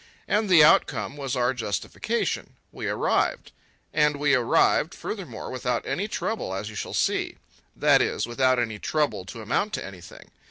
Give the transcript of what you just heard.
And the outcome was our justification. We arrived. And we arrived, furthermore, without any trouble, as you shall see; that is, without any trouble to amount to anything.